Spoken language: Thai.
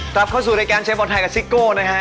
กลับเข้าสู่รายการเชฟบอลไทยกับซิโก้นะฮะ